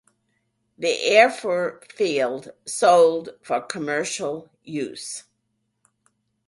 The airfield sold for commercial use.